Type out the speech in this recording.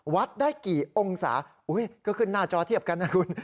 วัดได้กี่องศาก็ขึ้นหน้าจอเทียบกันนะคุณ